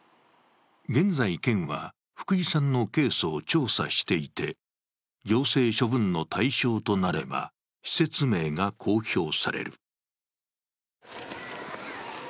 現在、県は福井さんのケースを調査していて、行政処分の対象となれば、施設名が公表される。